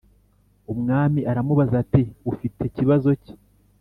Umwami aramubaza ati ufite kibazo ki